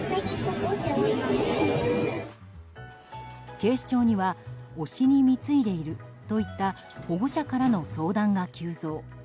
警視庁には推しに貢いでいるといった保護者からの相談が急増。